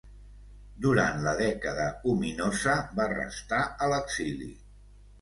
Durant la Dècada Ominosa va restar a l'exili.